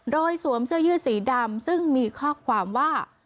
โดยสวมเสื้อยืดสีดำซึ่งมีข้อความว่า